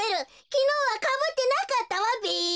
きのうはかぶってなかったわべ。